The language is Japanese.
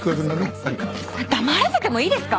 黙らせてもいいですか？